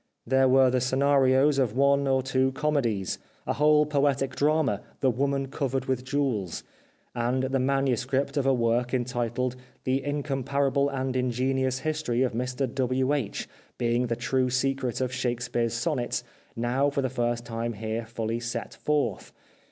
There were the scenarios of one or two comedies ; a whole poetic drama, " The Woman Covered With Jewels," and the manuscript of a work entitled " The Incomparable and Ingenious History of Mr W. H. Being the True Secret of Shakespeare's Sonnets, Now for the First Time here Fully Set Forth."